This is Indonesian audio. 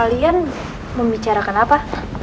kalian membicarakan apa